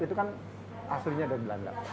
itu kan aslinya dari belanda